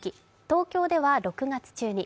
東京では６月中に。